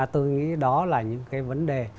tôi nghĩ đó là những cái vấn đề